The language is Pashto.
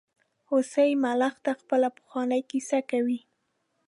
هوسۍ ملخ ته خپله پخوانۍ کیسه کوي.